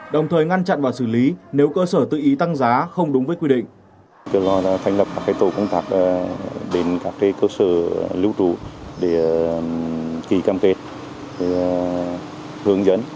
đồng thời ngăn chặn và xử lý nếu cơ sở tự ý tăng giá không đúng với quy định